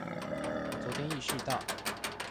我昨天意識到